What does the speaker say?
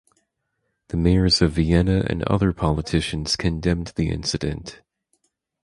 The mayors of Vienna and other politicians condemned the incident.